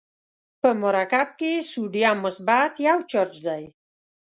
په مرکب کې سودیم مثبت یو چارج دی.